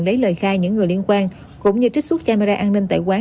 lấy lời khai những người liên quan cũng như trích xuất camera an ninh tại quán